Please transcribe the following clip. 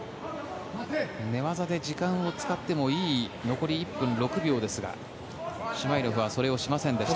寝技で時間を使ってもいい残り１分６秒ですがシュマイロフはそれをしませんでした。